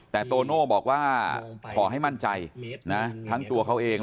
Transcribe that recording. แต่โตโน่บอกว่าขอให้มั่นใจนะทั้งตัวเขาเอง